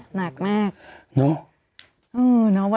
หนักมาก